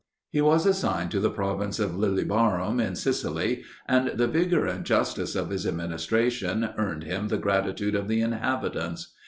He was assigned to the province of Lilybaeum in Sicily, and the vigor and justice of his administration earned him the gratitude of the inhabitants.